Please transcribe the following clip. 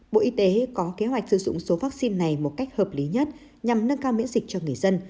bộ y tế có kế hoạch sử dụng số vaccine này một cách hợp lý nhất nhằm nâng cao miễn dịch cho người dân